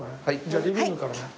じゃあリビングからね。